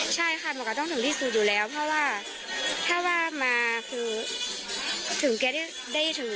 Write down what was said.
ใช่ค่ะมันก็ต้องถึงที่สุดอยู่แล้วเพราะว่าถ้าว่ามาคือถึงแกได้ถือ